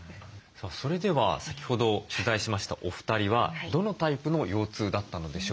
それでは先ほど取材しましたお二人はどのタイプの腰痛だったのでしょうか。